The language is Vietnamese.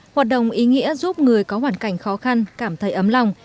hoạt động ý nghĩa giúp người có hoàn cảnh khó khăn cảm thấy ấm lòng